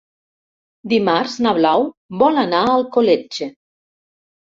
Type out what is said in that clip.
Dimarts na Blau vol anar a Alcoletge.